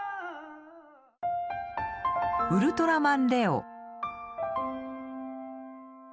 「ウルトラマンレオ」。